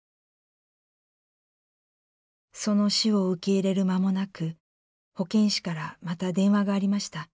その死を受け入れる間もなく保健師からまた電話がありました。